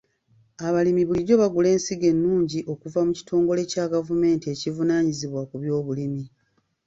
Abalimi bulijjo bagula ensigo ennungi okuva mu kitongole kya gavumenti ekivunaanyizibwa ku by'obulimi.